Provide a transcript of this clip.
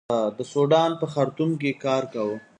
د سوډان په خرتوم کې کار کاوه.